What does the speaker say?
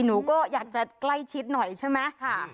หนูก็อยากจะใกล้ชิดหน่อยใช่ไหม